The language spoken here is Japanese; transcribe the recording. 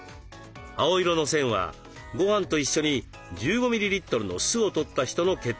青色の線はごはんと一緒に１５ミリリットルの酢をとった人の血糖値。